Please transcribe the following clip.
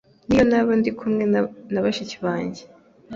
n’iyo naba ndi kumwe na bashiki bange